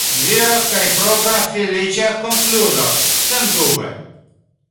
Vera kaj propra “feliĉa konkludo”, sendube.